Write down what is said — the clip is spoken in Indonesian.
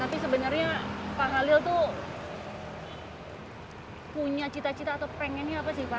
tapi sebenarnya pak khalil tuh punya cita cita atau pengennya apa sih pak